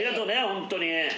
ホントに。